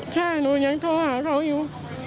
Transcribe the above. ใช่หนูยังโทรหาเขาอยู่